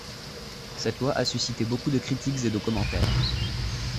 Cette loi à susciter beaucoup de critiques et de commentaires.